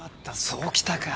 そうきたか。